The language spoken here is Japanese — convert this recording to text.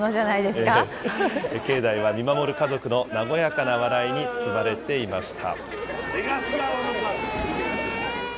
境内は見守る家族の和やかな笑いに包まれていました。